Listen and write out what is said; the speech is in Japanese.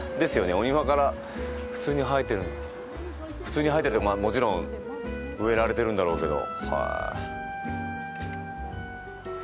お庭から普通に生えてる、普通に生えてるというか、まあ、もちろん植えられてるんだろうけど。